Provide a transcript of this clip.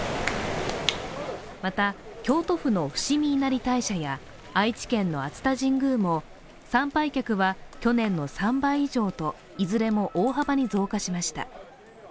また、京都府の伏見稲荷大社や愛知県の熱田神宮も参拝客は去年の３倍以上と、いずれも大幅に増加しました。